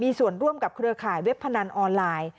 มีส่วนร่วมกับเครือข่ายเว็บพนันออนไลน์